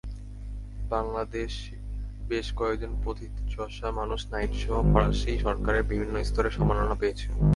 বাংলাদেশের বেশ কয়েকজন প্রথিতযশা মানুষ নাইটসহ ফরাসি সরকারের বিভিন্ন স্তরের সম্মাননা পেয়েছেন।